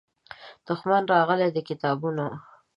دښمن راغلی د کتابونو